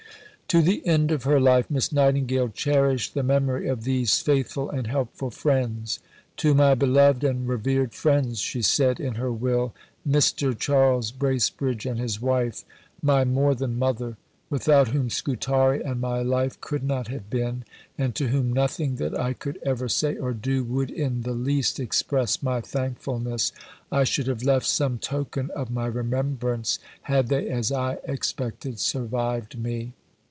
To the end of her life Miss Nightingale cherished the memory of these faithful and helpful friends. "To my beloved and revered friends," she said in her Will, "Mr. Charles Bracebridge and his wife, my more than mother, without whom Scutari and my life could not have been, and to whom nothing that I could ever say or do would in the least express my thankfulness, I should have left some token of my remembrance had they, as I expected, survived me."